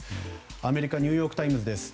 アメリカのニューヨーク・タイムズです。